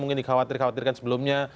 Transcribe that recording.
mungkin dikhawatir khawatirkan sebelumnya